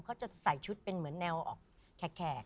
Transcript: เขาจะใส่ชุดเป็นเหมือนแนวออกแขก